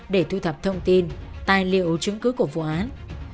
để thu thập thông tin tài liệu chứng cứ của vụ án